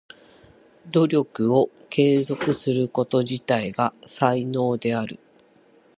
努力を継続すること自体が才能である。